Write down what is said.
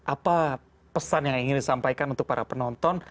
apa pesan yang ingin disampaikan untuk para penonton